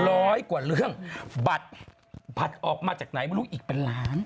ร้อยกว่าเรื่องบัตรบัตรออกมาจากไหนไม่รู้อีกเป็นล้าน